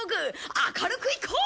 明るくいこう！